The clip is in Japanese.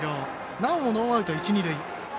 なおもノーアウト、一塁二塁。